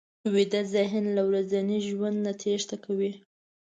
ویده ذهن له ورځني ژوند نه تېښته کوي